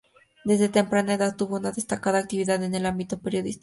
Desde temprana edad tuvo una destacada actividad en el ámbito periodístico.